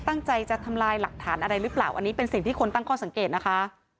ตั้งใจจะทำลายหลักฐานอะไรหรือเปล่าอันนี้เป็นสิ่งที่คนตั้งข้อสังเกตนะคะ